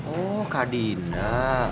oh kak dina